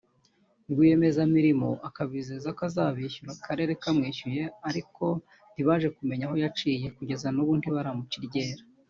rwiyemezamirimo akabizeza ko azabishyura akarere kamwishyuye ariko ntibaje kumenya aho yaciye kugeza n’ubu ntibaramuca iryera